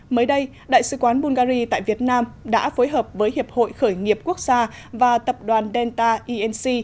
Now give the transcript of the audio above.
mới đây đại sứ quán bungary tại việt nam đã phối hợp với hiệp hội khởi nghiệp quốc gia và tập đoàn delta inc